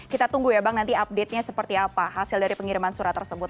kita tunggu ya bang nanti update nya seperti apa hasil dari pengiriman surat tersebut